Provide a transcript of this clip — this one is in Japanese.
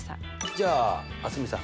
じゃあ蒼澄さん。